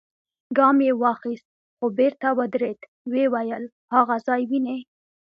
ګام يې واخيست، خو بېرته ودرېد، ويې ويل: هاغه ځای وينې؟